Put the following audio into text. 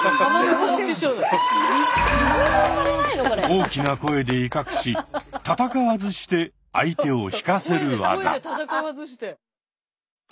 大きな声で威嚇し戦わずして相手をひかせる技。